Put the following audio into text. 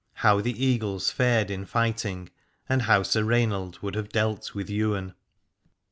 HOW THE EAGLES FARED IN FIGHTING, AND HOW SIR RAINALD WOULD HAVE DEALT WITH YWAIN.